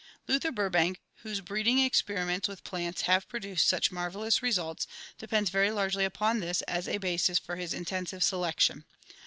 Luther Burbank, whose breed ing experiments with plants have produced such marvelous re sults, depends very largely upon this as a basis for his intensive selection.